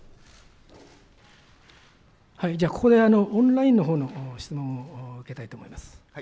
ここでオンラインのほうの質問を受けたいと思います。